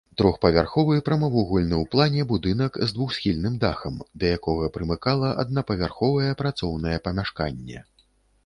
Трохпавярховы прамавугольны ў плане будынак з двухсхільным дахам, да якога прымыкала аднапавярховае працоўнае памяшканне.